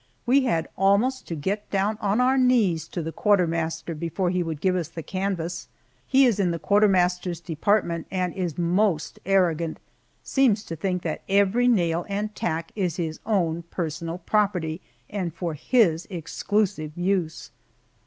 We had almost to get down on our knees to the quartermaster before he would give us the canvas. He is in the quartermaster's department and is most arrogant; seems to think that every nail and tack is his own personal property and for his exclusive use.